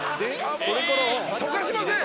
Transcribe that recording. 溶かしません！